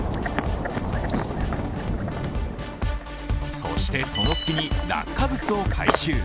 そして、その隙に落下物を回収。